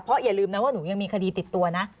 อย่าลืมนะว่าหนูยังมีคดีติดตัวนะ